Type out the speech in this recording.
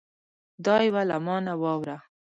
دا یوه له ما نه واوره